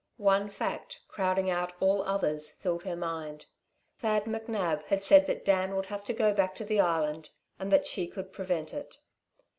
One fact, crowding out all others, filled her mind. Thad McNab had said that Dan would have to go back to the Island and that she could prevent it.